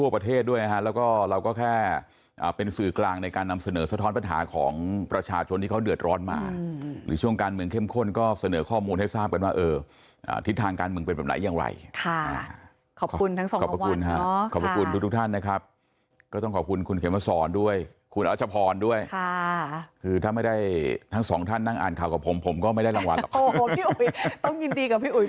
เป็นสื่อกลางในการนำเสนอสะท้อนปัญหาของประชาชนที่เขาเดือดร้อนมาหรือช่วงการเมืองเข้มข้นก็เสนอข้อมูลให้ทราบกันว่าเออทิศทางการเมืองเป็นแบบไหนอย่างไรขอบคุณทั้งสองรางวัลขอบคุณทุกท่านนะครับก็ต้องขอบคุณคุณเขมสอนด้วยคุณอาชพรด้วยค่ะคือถ้าไม่ได้ทั้งสองท่านนั่งอ่านข่าวกับผมผมก็ไม่ได